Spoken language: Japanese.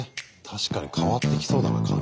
確かに変わってきそうだな完成はな。